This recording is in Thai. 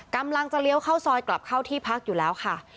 กำลังจะเลี้ยวเข้าซอยกลับเข้าที่พักอยู่แล้วค่ะ